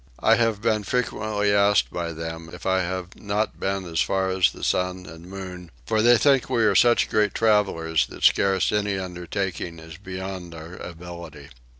I have been frequently asked by them if I have not been as far as the sun and moon; for they think we are such great travellers that scarce any undertaking is beyond our ability.